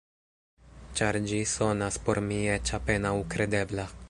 Ĉar ĝi sonas por mi eĉ apenaŭ kredebla.